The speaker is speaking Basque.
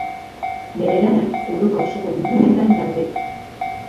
Bere lanak Europa osoko bildumetan daude.